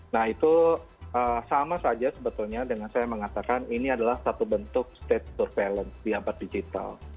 nah itu sama saja sebetulnya dengan saya mengatakan ini adalah satu bentuk state surveillance di abad digital